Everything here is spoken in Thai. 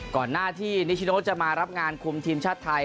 ก่อนหน้าที่นิชิโนจะมารับงานคุมทีมชาติไทย